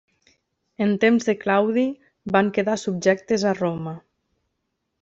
En temps de Claudi van quedar subjectes a Roma.